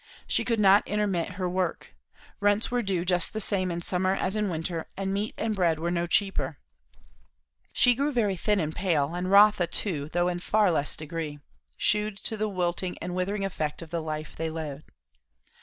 She could not intermit her work. Rents were due just the same in summer as in winter, and meat and bread were no cheaper. She grew very thin and pale; and Rotha too, though in a far less degree, shewed the wilting and withering effect of the life they led.